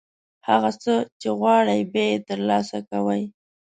هغه څه چې غواړئ، بیا یې ترلاسه کوئ.